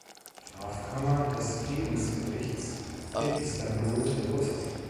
Strafkammer des Friedensgerichts in Istanbul der Prozess.